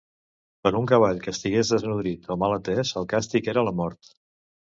Per un cavall que estigués desnodrit o mal atès el càstig era la mort.